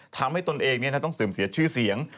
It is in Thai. ตนเองต้องเสื่อมเสียชื่อเสียง